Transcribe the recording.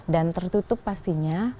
dan tertutup pastinya